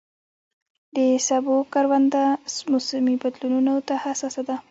د سبو کرونده موسمي بدلونونو ته حساسه ده.